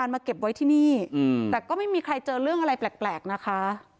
มาเก็บไว้ที่นี่แต่ก็ไม่มีใครเจอเรื่องอะไรแปลกนะคะ